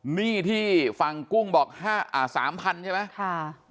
หนี้ที่ฝั่งกุ้งบอก๓๐๐๐ใช่ไหม